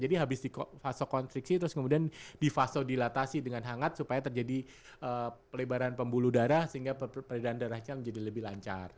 jadi habis di vasokonstriksi terus kemudian di vasodilatasi dengan hangat supaya terjadi pelibaran pembuluh darah sehingga perbedaan darahnya menjadi lebih lancar